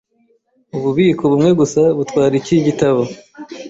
Ububiko bumwe gusa butwara iki gitabo.